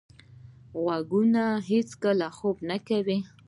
غوږونه هیڅکله خوب نه کوي.